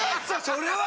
それは！